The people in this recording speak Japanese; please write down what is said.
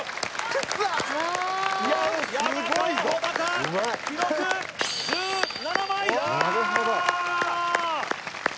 山川穂高記録１７枚！